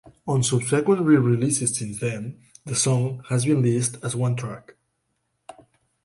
On subsequent re-releases since then, the song has been listed as one track.